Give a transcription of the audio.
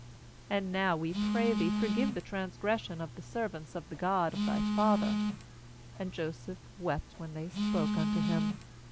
And now, we pray thee, forgive the transgression of the servants of the God of thy father/ And Joseph wept when they spoke unto him.